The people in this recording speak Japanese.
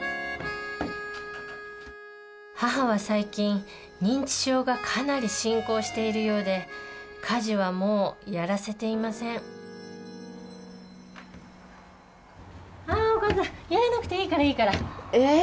母は最近認知症がかなり進行しているようで家事はもうやらせていませんあお母さんやらなくていいからいいから。え。